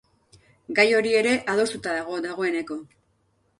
Gai hori ere adostuta dago, dagoeneko.